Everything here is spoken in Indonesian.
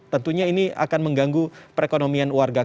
tentunya ini akan mengganggu perekonomian warga